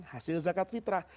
hasil zakat fitrah